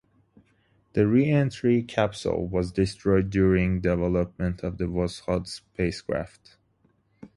The re-entry capsule was destroyed during development of the Voskhod spacecraft.